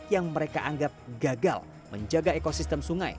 yang mereka anggap gagal menjaga ekosistem sungai